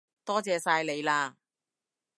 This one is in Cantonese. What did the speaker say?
多謝晒你喇